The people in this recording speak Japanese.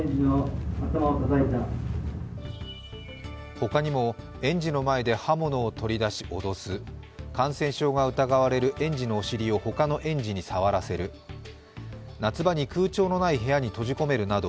他にも、園児の前で刃物を取り出し脅す、感染症が疑われる園児のお尻を他の園児に触らせる、夏場に空調のない部屋に閉じ込めるなど、